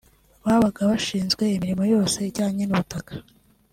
Babaga bashinzwe imirimo yose ijyanye n’ubutaka